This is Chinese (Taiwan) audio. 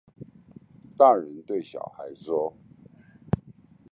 大人對小孩說